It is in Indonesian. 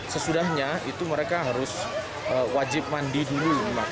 sesudahnya itu merupakan perjalanan yang lebih mudah dan lebih mudah untuk mencapai ruang air yang